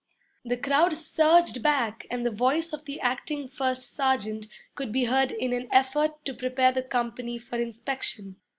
The crowd surged back and the voice of the acting first sergeant could be heard in an effort to prepare the company for inspection.